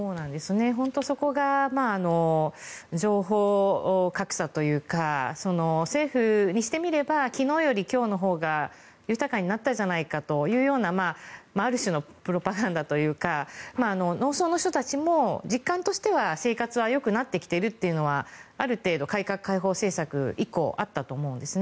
本当にそこが情報格差というか政府にしてみれば昨日より今日のほうが豊かになったじゃないかというある種のプロパガンダというか農村の人たちも実感としては生活はよくなってきているというのはある程度、改革開放政策以降あったと思うんですね。